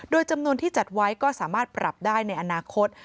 โดยจำนวนที่จัดไว้ก็สามารถปรับได้ในอนาคต